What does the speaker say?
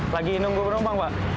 lagi nunggu berlombang pak